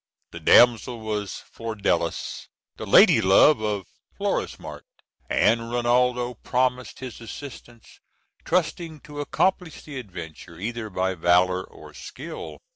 The damsel was Flordelis, the lady love of Florismart, and Rinaldo promised his assistance, trusting to accomplish the adventure either by valor or skill.